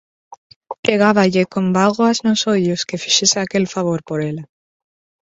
Pregáballe con bágoas no ollos que fixese aquel favor por ela.